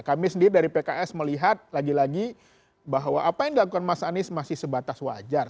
kami sendiri dari pks melihat lagi lagi bahwa apa yang dilakukan mas anies masih sebatas wajar